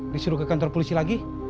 disuruh ke kantor polisi lagi